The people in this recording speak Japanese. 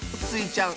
ちゃん